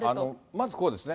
まずこうですね。